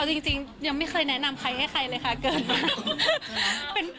จริงยังไม่เคยแนะนำใครให้ใครเลยค่ะเกินมา